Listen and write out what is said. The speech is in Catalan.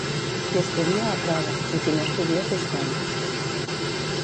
Qui estudia aprova i qui no estudia suspèn